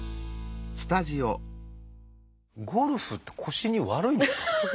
ゴルフって腰に悪いんですか？